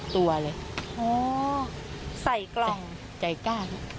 ใส่กล่อง